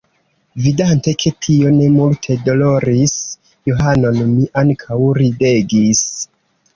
Vidante ke tio ne multe doloris Johanon, mi ankaŭ ridegis.